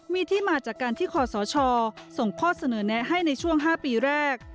มีที่มาจากการที่ขอสชส่งข้อเสนอแนะให้ในช่วง๕ปีแรก